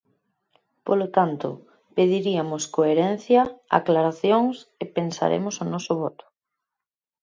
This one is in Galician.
Polo tanto, pediriamos coherencia, aclaracións e pensaremos o noso voto.